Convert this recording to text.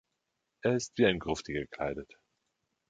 Er ist wie ein Grufti gekleidet.